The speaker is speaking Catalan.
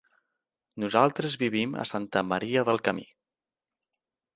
Nosaltres vivim a Santa Maria del Camí.